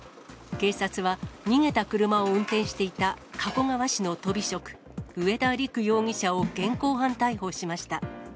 警察は逃げた車を運転していた加古川市のとび職、上田陸容疑者を現行犯逮捕しました。